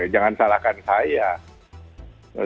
jangan salahkan saya